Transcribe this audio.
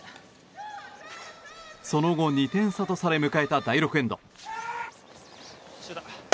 その後２点差とされ迎えた第６エンド。